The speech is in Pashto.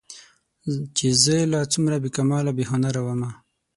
چې زه لا څومره بې کماله بې هنره ومه